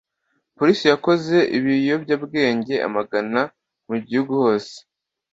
Polisi yakoze ibiyobyabwenge amagana mu gihugu hose.